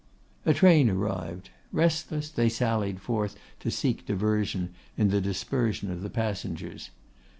A train arrived; restless they sallied forth, to seek diversion in the dispersion of the passengers.